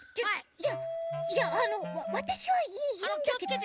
いやいやあのわたしはいいんだけど。